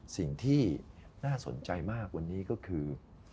สิ่งที่น่าสนใจมากวันนี้ก็คือ